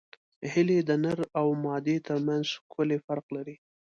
هیلۍ د نر او مادې ترمنځ ښکلی فرق لري